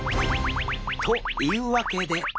というわけで。